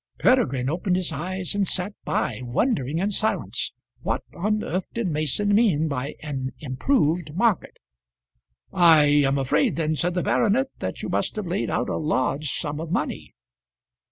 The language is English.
Peregrine opened his eyes and sat by, wondering in silence. What on earth did Mason mean by an improved market? "I am afraid then," said the baronet, "that you must have laid out a large sum of money."